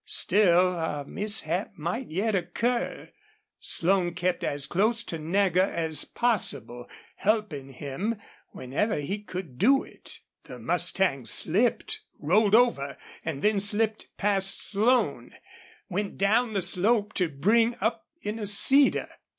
Still, a mishap might yet occur. Slone kept as close to Nagger as possible, helping him whenever he could do it. The mustang slipped, rolled over, and then slipped past Slone, went down the slope to bring up in a cedar.